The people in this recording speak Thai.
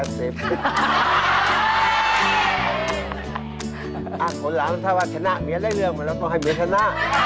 คนหลังถ้าว่าชนะเมียได้เรื่องมันเราต้องให้เมียชนะ